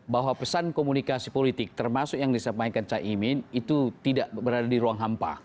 bahwa pesan komunikasi politik termasuk yang disampaikan caimin itu tidak berada di ruang hampa